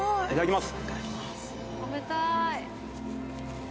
いただきます。